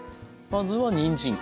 まずはにんじん。